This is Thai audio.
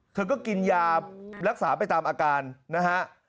เธอก็กินยารักษาไปตามอาการนะฮะ